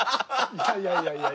いやいやいやいや。